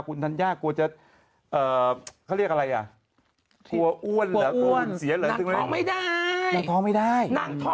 เกลียดอะไรอ้อนหรือหลังท้องไม่ได้